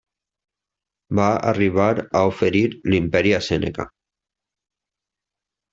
Va arribar a oferir l'imperi a Sèneca.